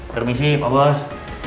permisi pak bos